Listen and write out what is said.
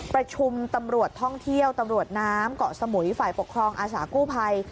ประชุมตำรวจท่องเที่ยวตำรวจน้ำเกาะสมุยฝ่ายปกครองอาสากู้ภัย